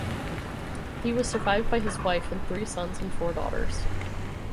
He was survived by his wife and three sons and four daughters.